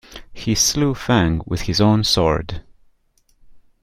He slew Feng with his own sword.